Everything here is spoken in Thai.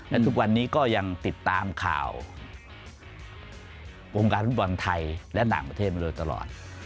และทุกวันนี้ก็ยังติดตามข่าววงการฟุตบอลไทยและต่างประเทศมาโดยตลอด